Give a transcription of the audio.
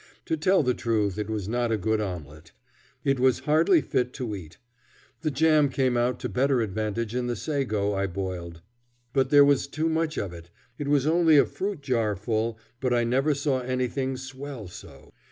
To tell the truth, it was not a good omelet. It was hardly fit to eat. The jam came out to better advantage in the sago I boiled, but there was too much of it. It was only a fruit jar full, but I never saw anything swell so.